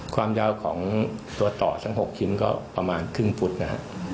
ความยาวของตัวต่อทั้ง๖ชิ้นก็ประมาณครึ่งฟุตนะฮะ